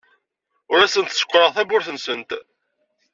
Ur asent-sekkṛeɣ tawwurt-nsent.